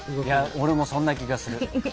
俺もそんな気がする。